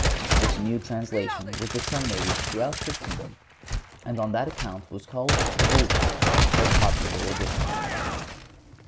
This new translation was disseminated throughout Christendom, and on that account was called the Vulgate, or popular edition.